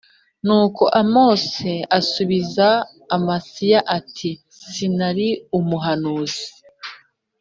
Nuko amosi asubiza amasiya ati sinari umuhanuzi